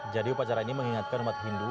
jadi upacara ini mengingatkan umat hindu